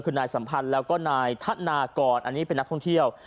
คือนายสัมพันธ์แล้วก็นายธนากรอันนี้เป็นนักท่องเที่ยว